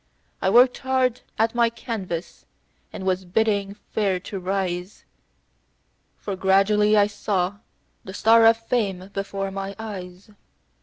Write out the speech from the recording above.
I worked hard at my canvas, and was bidding fair to rise, For gradually I saw the star of fame before my eyes.